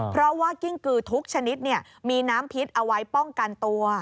เพราะว่ากิ้งกือทุกชนิดมีน้ำพิษเอาไว้ป้องกันตัว